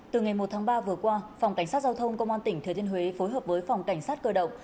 từ ngày một tháng ba vừa qua phòng cảnh sát giao thông công an tỉnh thừa thiên huế phối hợp với phòng cảnh sát cơ động